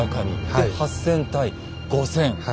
で８，０００対５，０００。